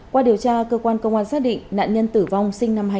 qua điều tra cơ quan công an xác định nạn nhân tử vong sinh năm hai nghìn một mươi năm